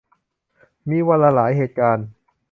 มีวันละหลายเหตุการณ์